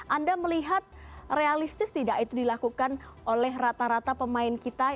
anda melihat realistis tidak itu dilakukan oleh rata rata pemain kita